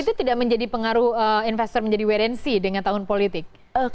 itu tidak menjadi pengaruh investor menjadi wrnc dengan tahun politik